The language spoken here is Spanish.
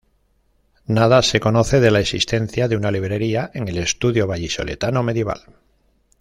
Nada se conoce de la existencia de una librería en el Estudio vallisoletano medieval.